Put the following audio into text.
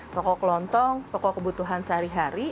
toko kelontong toko kebutuhan sehari hari